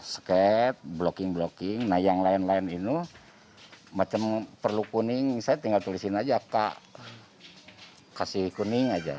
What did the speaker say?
sket blocking blocking nah yang lain lain ini macam perlu kuning saya tinggal tulisin aja kak kasih kuning aja